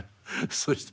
そして